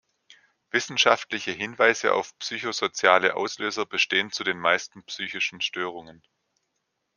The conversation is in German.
Wissenschaftliche Hinweise auf psychosoziale Auslöser bestehen zu den meisten psychischen Störungen.